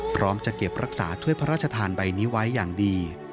พร้อมจะเก็บรักษาถ้วยพระราชทานใบนี้ไว้อย่างดี